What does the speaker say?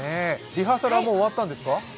リハーサルは、もう終わったんですか？